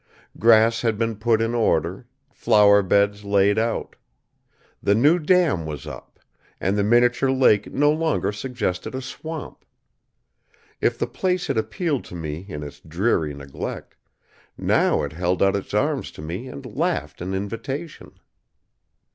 Grass had been put in order, flower beds laid out. The new dam was up, and the miniature lake no longer suggested a swamp. If the place had appealed to me in its dreary neglect, now it held out its arms to me and laughed an invitation.